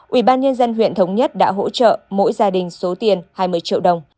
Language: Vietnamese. ủy ban nhân dân huyện thống nhất đã hỗ trợ mỗi gia đình số tiền hai mươi triệu đồng